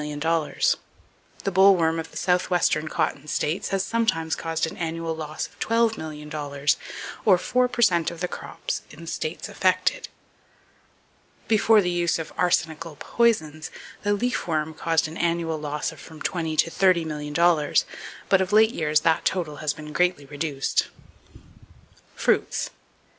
The boll worm of the southwestern cotton states has sometimes caused an annual loss of $12,000,000, or four per cent of the crops in the states affected. Before the use of arsenical poisons, the leaf worm caused an annual loss of from twenty to thirty million dollars; but of late years that total has been greatly reduced. Fruits.